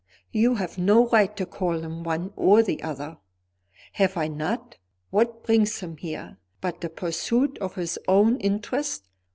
"You have no right to call him one or the other." "Have I not? What brings him here, but the pursuit of his own interest?